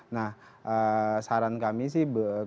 nah saran kami sih